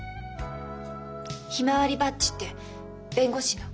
「ひまわりバッジ」って弁護士の？